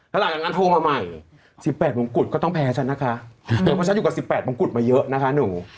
แล้วหลังจากนั้นโทรมาใหม่๑๘มงกุฎก็ต้องแพ้ฉันนะคะเพราะฉันอยู่กับ๑๘มงกุฎมาเยอะนะคะหนู